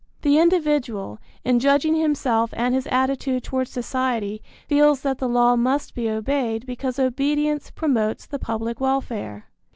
The individual, in judging himself and his attitude toward society, feels that the law must be obeyed because obedience promotes the public welfare.